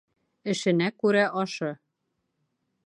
Эшенә күрә ашы.